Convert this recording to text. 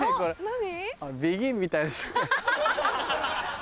何？